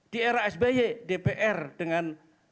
di era sby dpr dengan